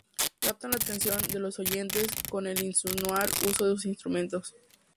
Captan la atención de los oyentes con el inusual uso de sus instrumentos.